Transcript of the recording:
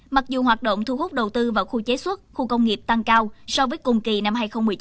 mặc dù hoạt động thu hút đầu tư vào khu chế xuất khu công nghiệp tăng cao so với cùng kỳ năm hai nghìn một mươi chín